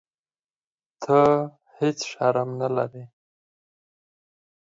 ته هیح شرم نه لرې.